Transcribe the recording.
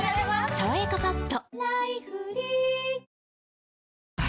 「さわやかパッド」